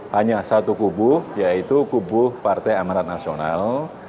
hanya satu kubu yaitu kubu partai amarat nasional